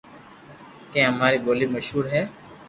ڪي امري ٻولو مݾھور ھي